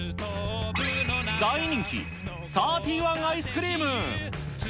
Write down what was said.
大人気、サーティワンアイスクリーム。